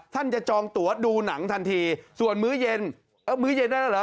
ท่านจะจองตัวดูหนังทันทีส่วนมื้อเย็นเออมื้อเย็นได้แล้วเหรอ